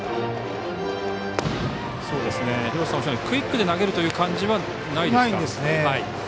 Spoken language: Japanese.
クイックで投げるという感じはないですか。